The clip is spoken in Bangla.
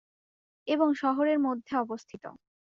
এবং শহরের মধ্যে অবস্থিত।